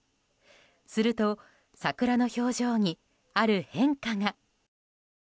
すると、桜の表情にある変化が。